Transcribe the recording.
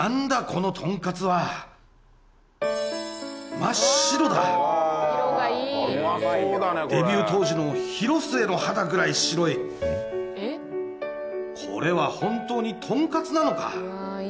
このとんかつは真っ白だデビュー当時の広末の肌ぐらい白いこれは本当にとんかつなのか？